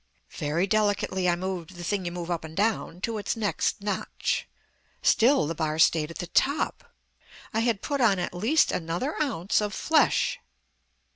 Very delicately I moved the thing you move up and down to its next notch. Still the bar stayed at the top. I had put on at least another ounce of flesh!